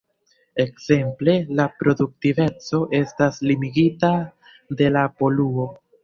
Ekzemple, la produktiveco estas limigita de la poluo.